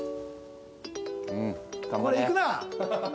これいくなあ！